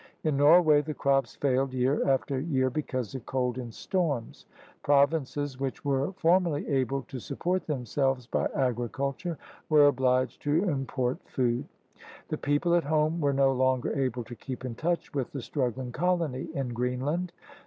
In Norway the crops failed year after year because of cold and storms. Provinces which were formerly able to support themselves by agri culture were obliged to import food. The people at home were no longer able to keep in touch with the struggling colony in Greenland.